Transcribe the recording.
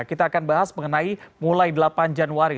kita akan bahas mengenai mulai delapan januari